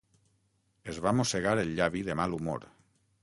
Es va mossegar el llavi de mal humor.